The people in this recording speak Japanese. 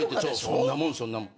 そんなもんそんなもん。